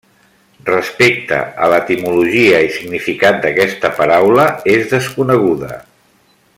Respecte a l'etimologia i significat d'aquesta paraula, és desconeguda.